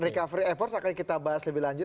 recovery everse akan kita bahas lebih lanjut